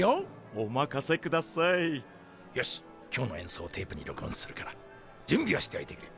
よし今日のえんそうをテープに録音するからじゅんびをしておいてくれ。